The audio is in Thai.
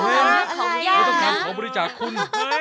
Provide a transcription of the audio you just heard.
ไม่ต้องทำของบริจาคคุณ